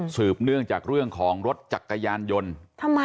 สืบเนื่องจากเรื่องของรถจักรยานยนต์ทำไม